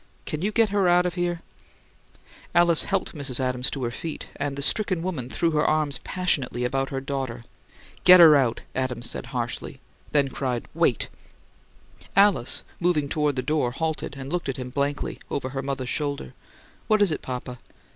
"Can you get her out of here?" Alice helped Mrs. Adams to her feet; and the stricken woman threw her arms passionately about her daughter. "Get her out!" Adams said, harshly; then cried, "Wait!" Alice, moving toward the door, halted, and looked at him blankly, over her mother's shoulder. "What is it, papa?"